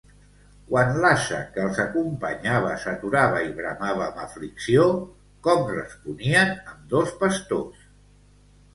Quan l'ase que els acompanyava s'aturava i bramava amb aflicció, com responien ambdós pastors?